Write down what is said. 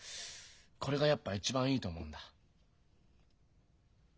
これがやっぱ一番いいと思うんだ。